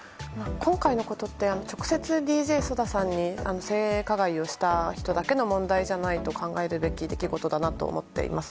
今回のことって直接、ＤＪＳＯＤＡさんに性加害をした人だけの問題じゃないと考えるべき出来事だなと思っています。